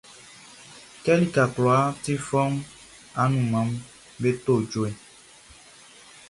Kɛ lika kwlaa ti fɔuunʼn, anunmanʼm be to jue.